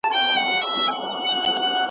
خوږې شپې د نعمتونو یې سوې هیري ,